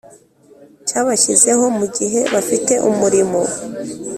cyabashyizeho mu gihe bafite umurimo.